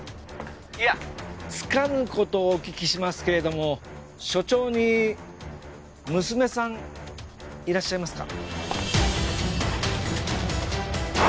いやつかぬことをお聞きしますけれども署長に娘さんいらっしゃいますか？